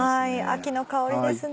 秋の香りですね。